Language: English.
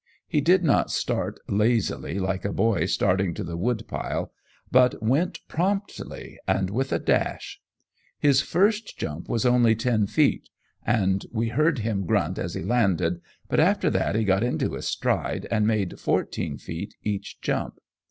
He did not start lazily, like a boy starting to the wood pile, but went promptly and with a dash. His first jump was only ten feet, and we heard him grunt as he landed, but after that he got into his stride and made fourteen feet each jump.